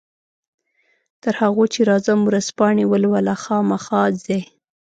تر هغو چې راځم ورځپاڼې ولوله، خامخا ځې؟